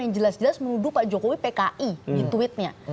yang jelas jelas menuduh pak jokowi pki di tweetnya